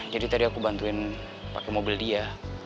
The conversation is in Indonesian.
jadi tadi aku bantuin pake mobil dia